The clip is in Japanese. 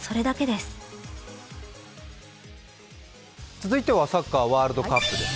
続いてはサッカーワールドカップです。